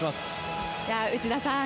内田さん。